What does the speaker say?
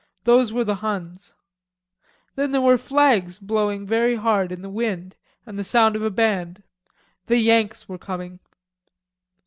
Those were the Huns. Then there were flags blowing very hard in the wind, and the sound of a band. The Yanks were coming.